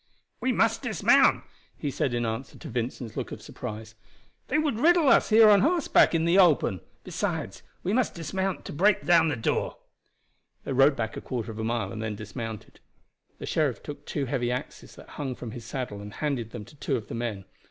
"We must dismount," he said in answer to Vincent's look of surprise; "they would riddle us here on horseback in the open. Besides we must dismount to break in the door." They rode back a quarter of a mile, and then dismounted. The sheriff took two heavy axes that hung from his saddle, and handed them to two of the men.